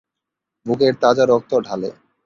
বুকের তাজা রক্ত ঢালে